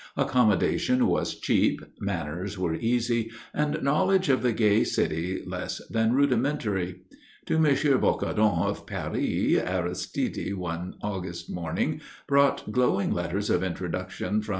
Accommodation was cheap, manners were easy, and knowledge of the gay city less than rudimentary. To M. Bocardon of Paris Aristide, one August morning, brought glowing letters of introduction from M.